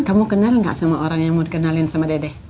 kamu kenal gak sama orang yang mau dikenalin sama dede